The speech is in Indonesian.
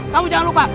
kamu jangan lupa